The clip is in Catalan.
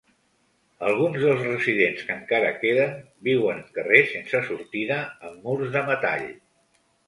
Alguns dels residents que encara queden viuen en carrers sense sortida amb murs de metall.